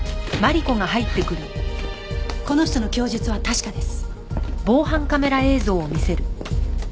この人の供述は確かです。